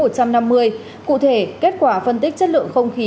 cụ thể kết quả phân tích chất lượng không khí